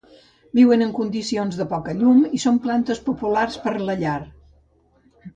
Viuen en condicions de poca llum i són plantes populars per a la llar.